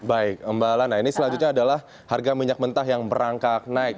baik mbak lana ini selanjutnya adalah harga minyak mentah yang merangkak naik